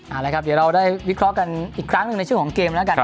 เอาละครับเดี๋ยวเราได้วิเคราะห์กันอีกครั้งหนึ่งในช่วงของเกมแล้วกัน